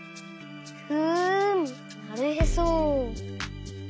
ふんなるへそ。